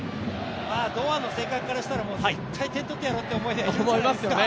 堂安の性格からしたら絶対点、取ってやろうと思いますよね。